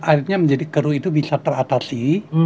airnya menjadi keruh itu bisa teratasi